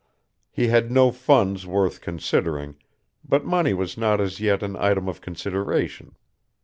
He had no funds worth considering, but money was not as yet an item of consideration.